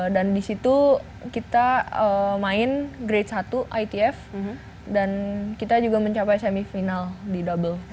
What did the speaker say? dan di situ kita main grade satu itf dan kita juga mencapai semifinal di double